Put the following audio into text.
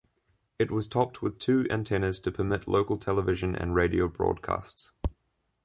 It was topped with two antennas to permit local television and radio broadcasts.